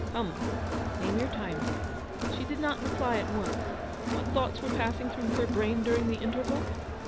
Come, name your time.' She did not reply at once. What thoughts were passing through her brain during the interval?